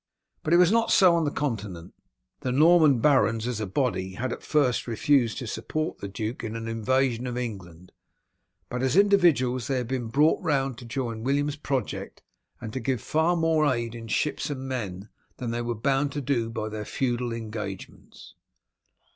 But it was not so on the Continent. The Norman barons as a body had at first refused to support the duke in an invasion of England, but as individuals they had been brought round to join in William's project, and to give far more aid in ships and men than they were bound to do by their feudal engagements.